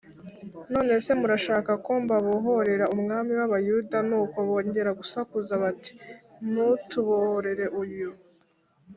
None se murashaka ko mbabohorera umwami w abayahudi nuko bongera gusakuza bati ntutubohorere uyu